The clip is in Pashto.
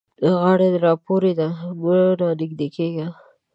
غاړه را پورې ده؛ مه رانږدې کېږه.